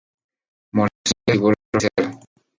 Morcillas y bolos del cerdo.